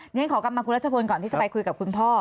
ฉันขอกลับมาคุณรัชพลก่อนที่จะไปคุยกับคุณพ่อ